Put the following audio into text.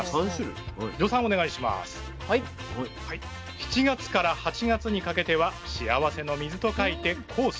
７月から８月にかけては幸せの水と書いて「幸水」。